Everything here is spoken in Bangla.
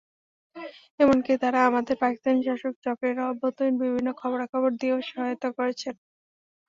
এমনকি তাঁরা আমাদের পাকিস্তানি শাসক চক্রের অভ্যন্তরীণ বিভিন্ন খবরাখবর দিয়েও সহায়তা করেছেন।